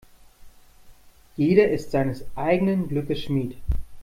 Jeder ist seines eigenen Glückes Schmied.